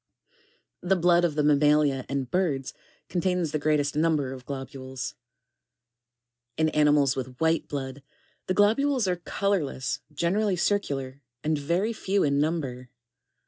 25. The blood of the mammalia and birds contains the greatest number of globules. 2(3. In animals with white blood, the globules are colourless, generally circular, and very few in number.